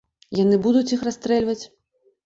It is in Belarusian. Яны будуць іх расстрэльваць?